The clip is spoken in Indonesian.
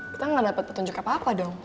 kita gak dapat petunjuk apa apa dong